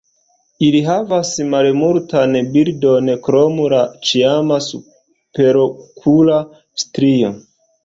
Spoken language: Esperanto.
Ili havas malmultan bildon krom la ĉiama superokula strio.